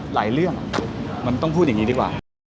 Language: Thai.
เรื่องมันต้องพูดอย่างนี้ดีกว่า